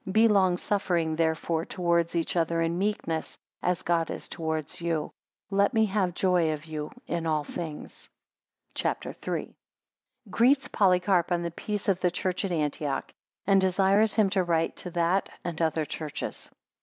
Be long suffering therefore towards each other in meekness; as God is towards you. 16 Let me have joy of you in all things. CHAPTER III. 1 Greets Polycarp on the peace of the church at Antioch: 2 and desires him to write to that and other churches.